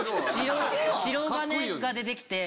白金が出てきて。